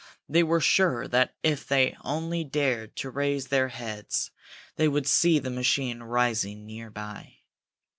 They were sure that if they only dared to raise their heads, they would see the machine rising near by.